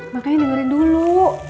makanya dengerin dulu